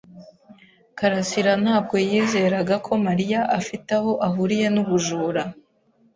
karasira ntabwo yizeraga ko Mariya afite aho ahuriye n'ubujura.